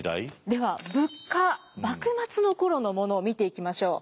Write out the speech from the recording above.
では物価幕末の頃のものを見ていきましょう。